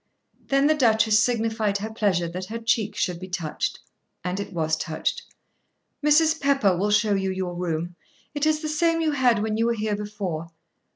Then the Duchess signified her pleasure that her cheek should be touched, and it was touched. "Mrs. Pepper will show you your room. It is the same you had when you were here before.